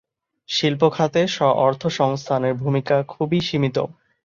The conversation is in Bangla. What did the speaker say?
শিল্পখাতে স্ব-অর্থসংস্থানের ভূমিকা খুবই সীমিত।